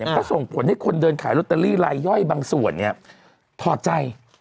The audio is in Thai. ก็ส่งผลให้คนเดินขายลอตเตอรี่ลายย่อยบางส่วนถอดใจ